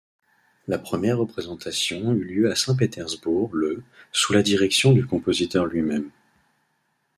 La première représentation eut lieu à Saint-Pétersbourg le sous la direction du compositeur lui-même.